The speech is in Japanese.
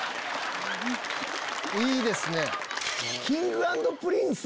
いいですね！